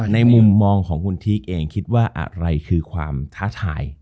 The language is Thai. มุมมองของคุณทีเองคิดว่าอะไรคือความท้าทาย